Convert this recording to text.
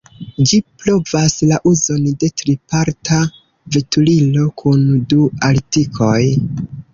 Ĝi provas la uzon de triparta veturilo kun du artikoj.